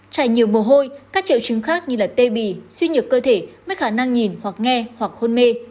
chảy nhiều mồ hôi các triệu chứng khác như tê bì suy nhược cơ thể mất khả năng nhìn hoặc nghe hoặc hôn mê